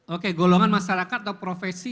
oke golongan masyarakat atau profesi